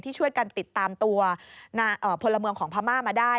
ช่วยกันติดตามตัวพลเมืองของพม่ามาได้